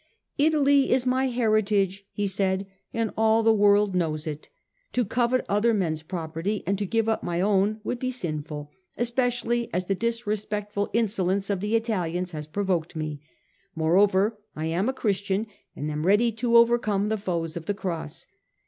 " Italy is my heritage," he said, " and all the world knows it. To covet other men's property and to give up my own would be sinful, especially as the disrespectful insolence of the Italians has provoked me. Moreover, I am a Christian and am ready to overcome the foes of the Cross.